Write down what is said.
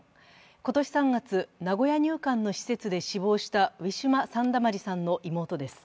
今年３月、名古屋入管の施設で死亡したウィシュマ・サンダマリさんの妹です。